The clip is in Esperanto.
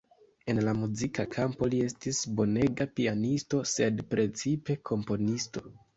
En la muzika kampo li estis bonega pianisto, sed precipe komponisto.